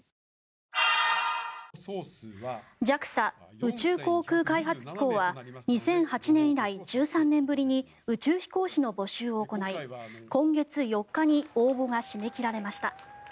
ＪＡＸＡ・宇宙航空研究開発機構は２００８年以来１３年ぶりに宇宙飛行士の募集を行い今月４日に応募が締め切られました。